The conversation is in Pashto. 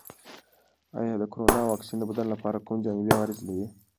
آیا د کرونا واکسین د بدن لپاره کوم جانبي عوارض لري؟